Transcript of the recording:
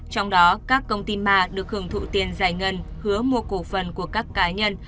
trong đó các công ty ma được hưởng thụ tiền giải ngân hứa mua cổ phần của các cá nhân